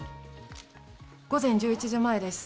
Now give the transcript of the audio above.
午前１１時前です。